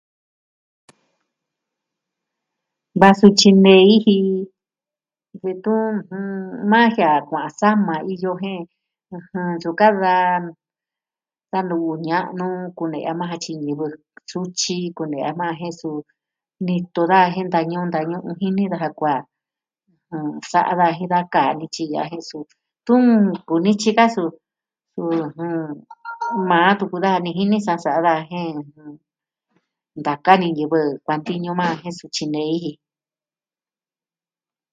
Va suu tyinei ji detun n... maa jie'e a kua'an sama iyo jen... ɨjɨn, nsuvi ka da nu'u ña'nu kune'ya majan jan tyi ñivɨ sutyi kune'ya majan jen suu nito daja jen ntañu'un ntañu'un jini daja kuaa ɨjɨn... sa'a da jin da kaa nityi ya'a jen suu, tun nkuvi nityi ka su, jɨn... maa tuku daja ni jini sa sa'a daja jen, ntaka ni ñivɨ kuantiñu majan jen suu tyinei ji.